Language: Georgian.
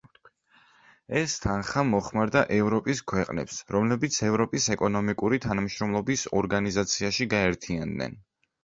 ეს თანხა მოხმარდა ევროპის ქვეყნებს, რომლებიც ევროპის ეკონომიკური თანამშრომლობის ორგანიზაციაში გაერთიანდნენ.